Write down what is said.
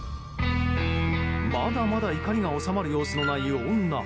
まだまだ怒りが収まる様子のない女。